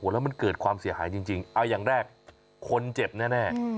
แล้วมันเกิดความเสียหายจริงเอาอย่างแรกคนเจ็บแน่